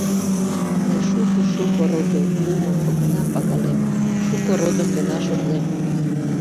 — Мый шуко-шуко родо улмым гына пагалем, шуко родым гына шотлем.